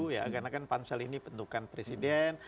karena kan pansel ini bentukan presiden